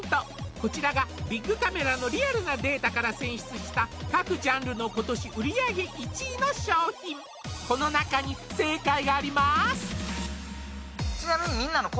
こちらがビックカメラのリアルなデータから選出した各ジャンルの今年売り上げ１位の商品この中に正解があります！